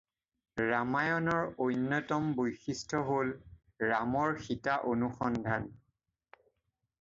ৰামায়ণৰ অন্যতম বৈশিষ্ট্য হ'ল ৰামৰ সীতা-অনুসন্ধান।